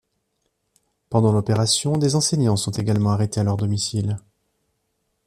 Pendant l'opération, des enseignants sont également arrêtés à leur domicile.